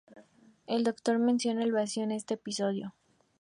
El Doctor menciona el Vacío en este episodio.